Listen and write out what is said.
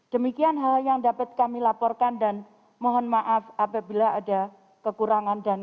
demikian hal yang dapat kami laporkan dan mohon maaf apabila ada kekurangan